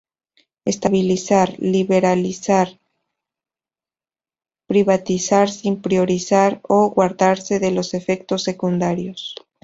Estabilizar, liberalizar y privatizar, sin priorizar o guardarse de los efectos secundarios.